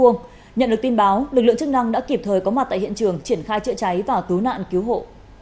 nhận được tin báo lực lượng chức năng đã kịp thời có mặt tại hiện trường triển khai chữa cháy và cứu nạn cứu hộ